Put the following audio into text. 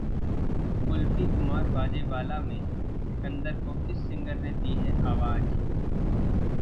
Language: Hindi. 'कुल्फी कुमार बाजेवाला' में सिकंदर को इस सिंगर ने दी है आवाज